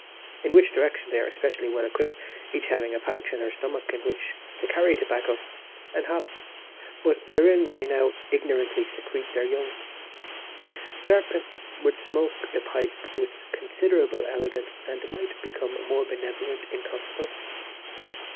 In this direction they are especially well equipped, each having a pouch in her stomach in which to carry tobacco and hops, but wherein they now ignorantly secrete their young. Serpents would smoke a pipe with considerable elegance, and might become more benevolent in consequence.